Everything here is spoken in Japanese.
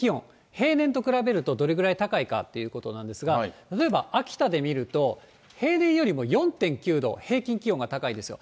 平年と比べるとどれぐらい高いかということなんですが、例えば、秋田で見ると、平年よりも４．９度、平均気温が高いんですよ。